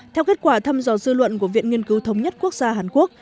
theo kết quả thăm dò dư luận của viện nghiên cứu thống nhất quốc gia hàn quốc